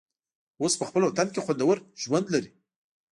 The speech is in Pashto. اوس په خپل وطن کې خوندور ژوند لري.